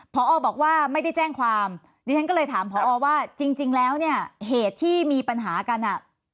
พอบอกว่าไม่ได้แจ้งความดิฉันก็เลยถามพอว่าจริงแล้วเนี่ยเหตุที่มีปัญหากันอ่ะ